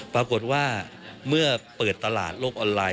ปรากฏว่าเมื่อเปิดตลาดโลกออนไลน์